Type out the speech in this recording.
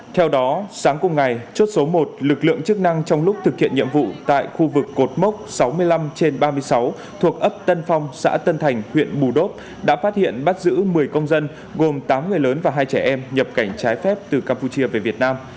theo đó sáng cùng ngày chốt số một lực lượng chức năng trong lúc thực hiện nhiệm vụ tại khu vực cột mốc sáu mươi năm trên ba mươi sáu thuộc ấp tân phong xã tân thành huyện bù đốp đã phát hiện bắt giữ một mươi công dân gồm tám người lớn và hai trẻ em nhập cảnh trái phép từ campuchia về việt nam